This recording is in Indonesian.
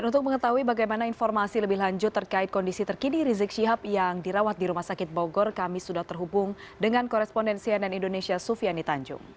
untuk mengetahui bagaimana informasi lebih lanjut terkait kondisi terkini rizik syihab yang dirawat di rumah sakit bogor kami sudah terhubung dengan koresponden cnn indonesia sufiani tanjung